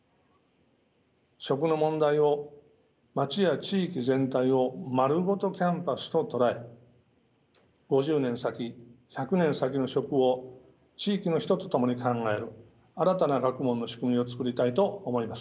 食の問題を街や地域全体をまるごとキャンパスと捉え５０年先１００年先の食を地域の人と共に考える新たな学問の仕組みを作りたいと思います。